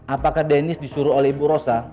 apakah dennis disuruh oleh ibu rosa